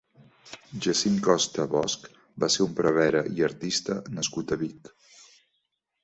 Jacint Costa Bosch va ser un prevere i artista nascut a Vic.